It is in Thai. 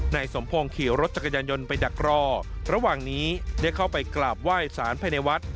นายสมพงศ์ขี่รถจักรยานยนต์ไปดักรอระหว่างนี้ได้เข้าไปกราบไหว้สารภายในวัด